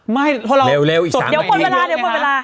ไม่เพราะเราเดี๋ยวปนเวลา